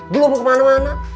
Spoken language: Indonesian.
belum mau kemana mana